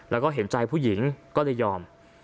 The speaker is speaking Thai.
แล้วก็เห็นใจผู้หญิงก็เลยยอม